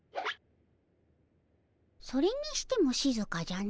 それにしてもしずかじゃの。